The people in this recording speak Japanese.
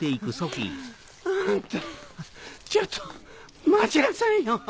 あんたちょっと待ちなさいよ。